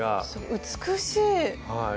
美しい！